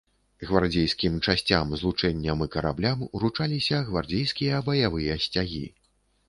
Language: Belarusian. Гвардзейскім часцям, злучэнням і караблям уручаліся гвардзейскія баявыя сцягі.